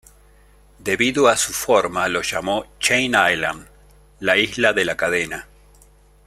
Debido a su forma lo llamó "Chain Island", la isla de la cadena.